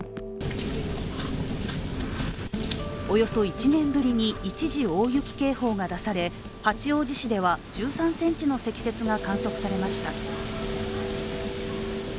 およそ１年ぶりに一時大雪警報が出され八王子市では１３ｃｍの積雪が観測されました。